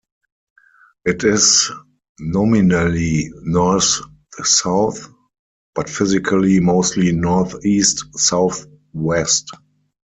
It is nominally north-south, but physically mostly northeast-southwest.